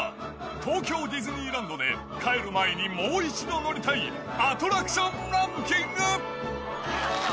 東京ディズニーランドで帰る前にもう一度乗りたいアトラクション！